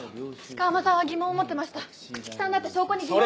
鹿浜さんは疑問を持ってました口木さんだって証拠に疑問。